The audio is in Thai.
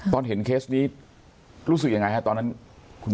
ตอนเห็นเคสนี้รู้สึกยังไงฮะตอนนั้นคุณหมอ